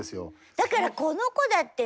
だからこの子だって不名誉な。